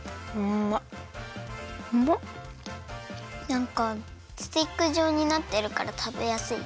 なんかスティックじょうになってるからたべやすい！